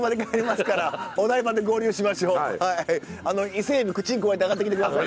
伊勢えび口にくわえて上がってきて下さい。